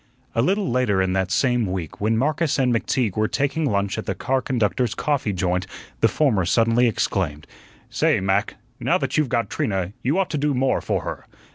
A little later in that same week, when Marcus and McTeague were taking lunch at the car conductors' coffee joint, the former suddenly exclaimed: "Say, Mac, now that you've got Trina, you ought to do more for her.